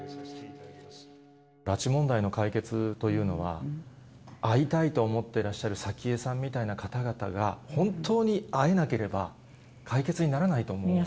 拉致問題の解決というのは、会いたいと思ってらっしゃる早紀江さんみたいな方々が、本当に会えなければ、解決にならないと思うんです。